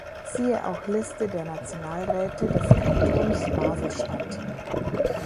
Siehe auch Liste der Nationalräte des Kantons Basel-Stadt.